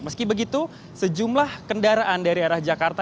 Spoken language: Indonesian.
meski begitu sejumlah kendaraan dari arah jakarta